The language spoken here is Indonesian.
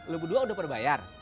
lo berdua udah berbayar